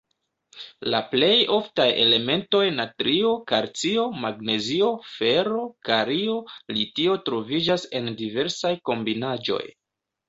La plej oftaj elementoj natrio, kalcio, magnezio, fero, kalio, litio troviĝas en diversaj kombinaĵoj.